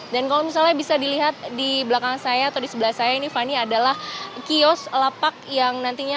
dan kalau misalnya bisa dilihat di belakang saya atau di sebelah saya ini fani adalah kios lapak yang nantinya